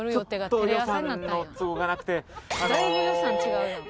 だいぶ予算違うやん。